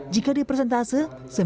jika di persentase